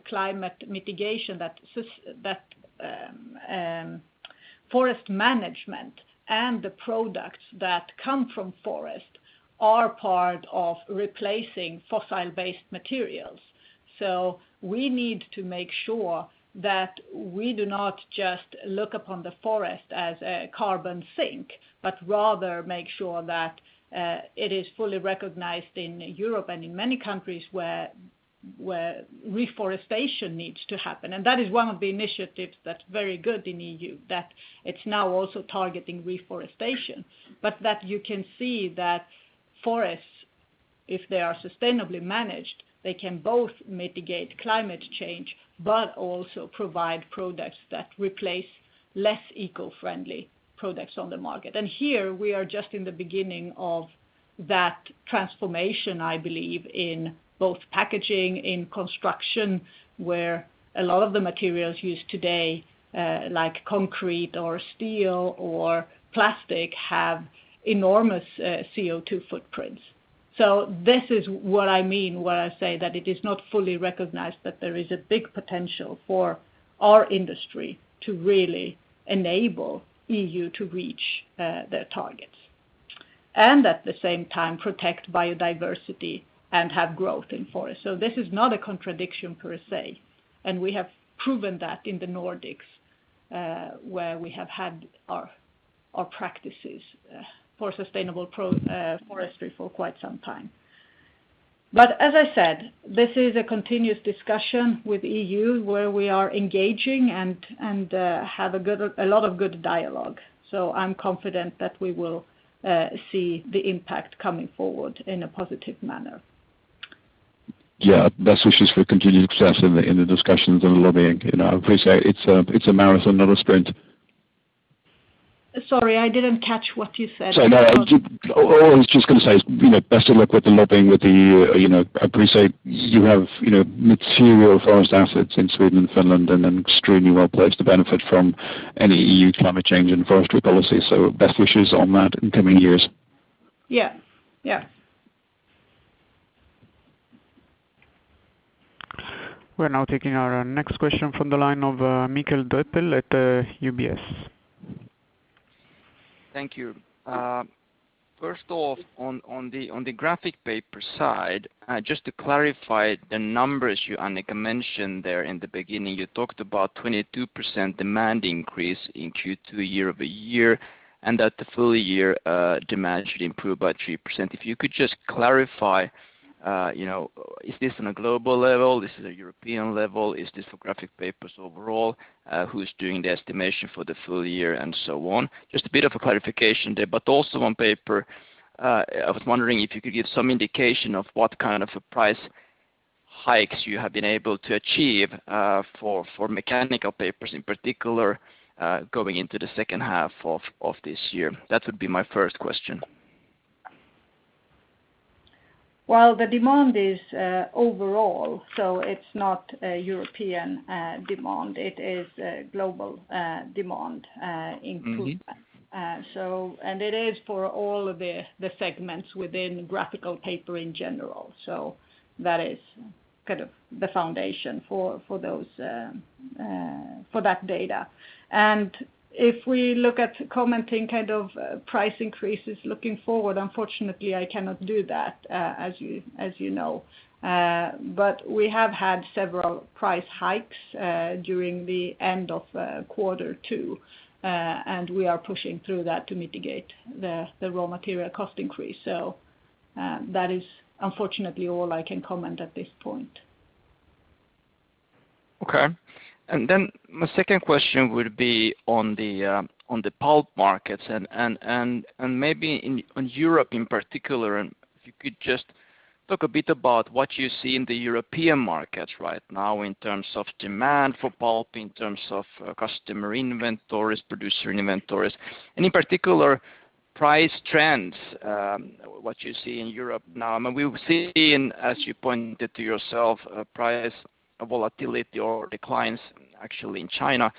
climate mitigation that forest management and the products that come from forest are part of replacing fossil-based materials. We need to make sure that we do not just look upon the forest as a carbon sink, but rather make sure that it is fully recognized in Europe and in many countries where reforestation needs to happen. That is one of the initiatives that's very good in EU, that it's now also targeting reforestation. That you can see that forests, if they are sustainably managed, they can both mitigate climate change, but also provide products that replace less eco-friendly products on the market. Here we are just in the beginning of that transformation, I believe, in both packaging, in construction, where a lot of the materials used today, like concrete or steel or plastic, have enormous CO2 footprints. This is what I mean when I say that it is not fully recognized that there is a big potential for our industry to really enable EU to reach their targets. At the same time, protect biodiversity and have growth in forest. This is not a contradiction per se, and we have proven that in the Nordics, where we have had our practices for sustainable forestry for quite some time. As I said, this is a continuous discussion with EU where we are engaging and have a lot of good dialogue. I'm confident that we will see the impact coming forward in a positive manner. Yeah. Best wishes for continued success in the discussions and lobbying. I appreciate it's a marathon, not a sprint. Sorry, I didn't catch what you said. Sorry. All I was just going to say is best of luck with the lobbying. I appreciate you have material forest assets in Sweden and Finland and extremely well-placed to benefit from any EU climate change and forestry policy. Best wishes on that in coming years. Yeah. We're now taking our next question from the line of Mikael Doepel at UBS. Thank you. First off, on the graphic paper side, just to clarify the numbers you, Annica, mentioned there in the beginning. You talked about 22% demand increase in Q2 year-over-year, and that the full year demand should improve by 3%. If you could just clarify, is this on a global level? This is a European level? Is this for graphic papers overall? Who's doing the estimation for the full year and so on? Just a bit of a clarification there, but also on paper, I was wondering if you could give some indication of what kind of a price hikes you have been able to achieve, for mechanical papers in particular, going into the second half of this year. That would be my first question. Well, the demand is overall, so it's not a European demand. It is a global demand improvement. It is for all of the segments within graphical paper in general. That is kind of the foundation for that data. If we look at commenting kind of price increases looking forward, unfortunately, I cannot do that, as you know. We have had several price hikes during the end of Q2, and we are pushing through that to mitigate the raw material cost increase. That is unfortunately all I can comment at this point. Okay. My second question would be on the pulp markets and maybe on Europe in particular, and if you could just talk a bit about what you see in the European markets right now in terms of demand for pulp, in terms of customer inventories, producer inventories, and in particular, price trends, what you see in Europe now. We've seen, as you pointed to yourself, price volatility or declines actually in China.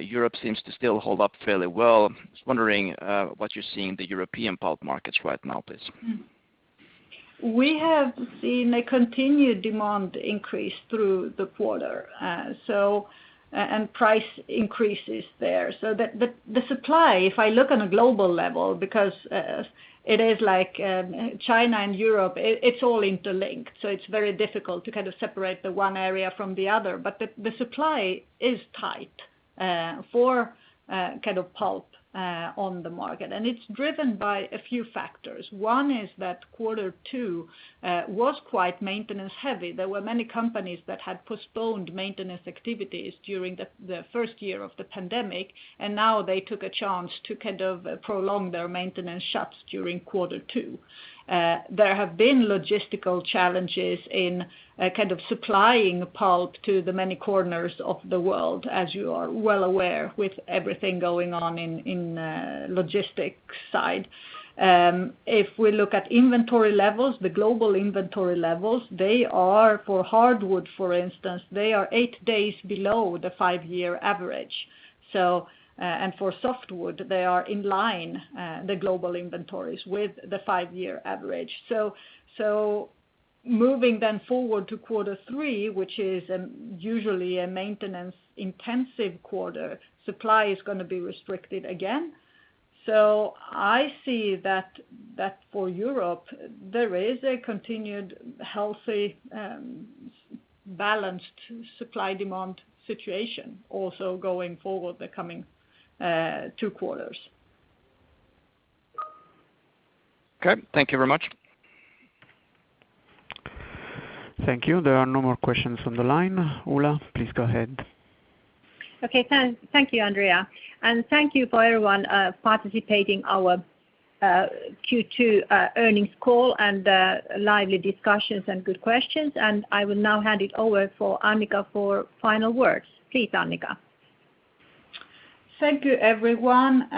Europe seems to still hold up fairly well. I was wondering what you see in the European pulp markets right now, please. We have seen a continued demand increase through the quarter, and price increases there. The supply, if I look on a global level, because it is like China and Europe, it's all interlinked, so it's very difficult to separate the one area from the other. The supply is tight for pulp on the market, and it's driven by a few factors. One is that quarter two was quite maintenance-heavy. There were many companies that had postponed maintenance activities during the first year of the pandemic, and now they took a chance to prolong their maintenance shuts during quarter two. There have been logistical challenges in supplying pulp to the many corners of the world, as you are well aware, with everything going on in logistics side. If we look at inventory levels, the global inventory levels, they are for hardwood, for instance, they are eight days below the five-year average. And for softwood, they are in line, the global inventories, with the five-year average. Moving then forward to quarter three, which is usually a maintenance intensive quarter, supply is going to be restricted again. I see that for Europe, there is a continued healthy, balanced supply-demand situation also going forward the coming two quarters. Okay. Thank you very much. Thank you. There are no more questions on the line. Ulla, please go ahead. Okay. Thank you, Andrea. Thank you for everyone participating our Q2 earnings call and the lively discussions and good questions. I will now hand it over for Annica for final words. Please, Annica. Thank you, everyone.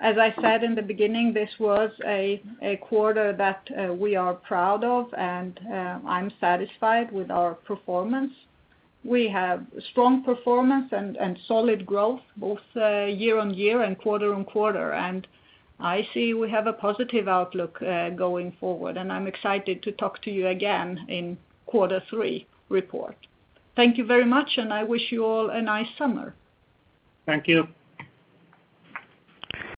As I said in the beginning, this was a quarter that we are proud of, and I'm satisfied with our performance. We have strong performance and solid growth both year-on-year and quarter-on-quarter. I see we have a positive outlook going forward, and I'm excited to talk to you again in quarter three report. Thank you very much, and I wish you all a nice summer. Thank you.